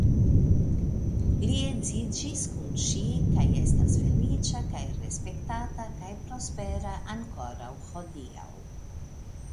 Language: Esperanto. Li edziĝis kun ŝi kaj estas feliĉa kaj respektata kaj prospera ankoraŭ hodiaŭ.